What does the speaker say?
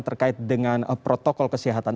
terkait dengan protokol kesehatan